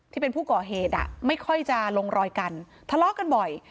ที่เป็นผู้ก่อเหตุไม่ค่อยจะลงรอยกันทะเลาะกันบ่อย